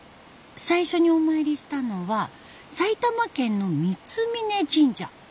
最初にお参りしたのは埼玉県の三峯神社。